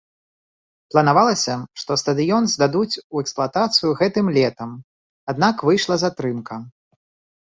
Планавалася, што стадыён здадуць у эксплуатацыю гэтым летам, аднак выйшла затрымка.